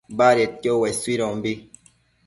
badedquio uesuidombi